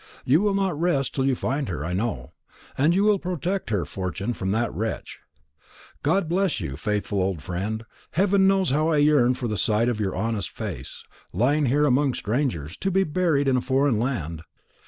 You will not rest till you find her, I know; and you will protect her fortune from that wretch. God bless you, faithful old friend! Heaven knows how I yearn for the sight of your honest face, lying here among strangers, to be buried in a foreign land.